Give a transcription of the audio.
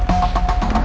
aku mau ke rumah